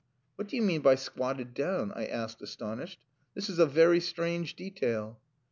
"What do you mean by squatted down?" I asked, astonished. "This is a very strange detail."